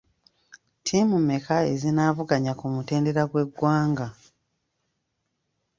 Ttiimu mmeka ezinaavuganya ku mutendera gw'eggwanga?